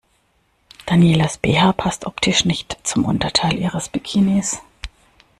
Danielas BH passt optisch nicht zum Unterteil ihres Bikinis.